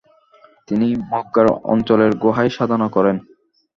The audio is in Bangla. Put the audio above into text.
তিনি ম্গার অঞ্চলের গুহায় সাধনা করেন।